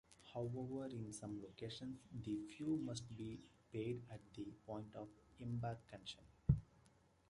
However, in some locations the fee must be paid at the point of embarkation.